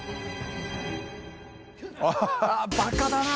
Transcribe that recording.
バカだな！